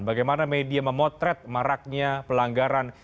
bagaimana media memotret maraknya pelanggaran